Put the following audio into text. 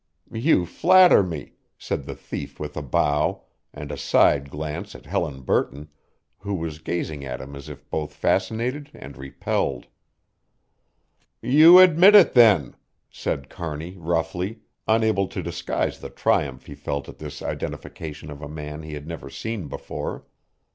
"You flatter me," said the thief with a bow, and a side glance at Helen Burton, who was gazing at him as if both fascinated and repelled. "You admit it then," said Kearney roughly, unable to disguise the triumph he felt at this identification of a man he had never seen before.